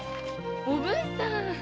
おぶんさん！